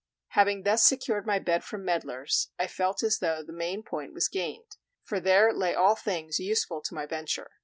Having thus secured my bed from meddlers, I felt as though the main point was gained; for there lay all things useful to my venture.